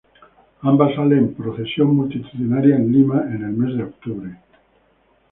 Ambas salen en procesión multitudinaria en Lima en el mes de octubre.